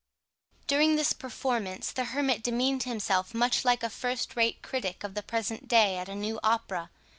During this performance, the hermit demeaned himself much like a first rate critic of the present day at a new opera.